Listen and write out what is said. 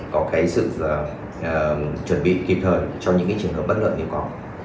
có cái sự chuẩn bị kịp thời cho những cái trường hợp bất lợi nếu có